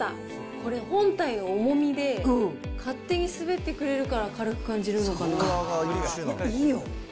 これ、本体の重みで勝手に滑ってくれるから軽く感じるのかな。